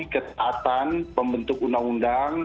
kekecepatan pembentuk undang undang